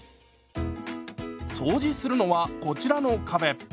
掃除するのはこちらの壁。